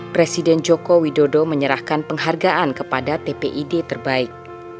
presiden joko widodo menyerahkan penghargaan kepada tpid terbaik